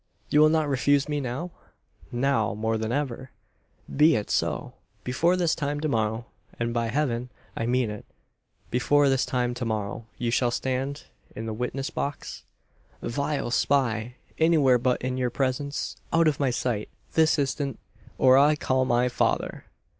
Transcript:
"You will not refuse me now?" "Now more than ever!" "Be it so! Before this time to morrow and, by Heaven! I mean it before this time to morrow, you shall stand in the witness box?" "Vile spy! Anywhere but in your presence! Out of my sight! This instant, or I call my father!"